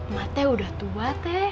ma teh udah tua teh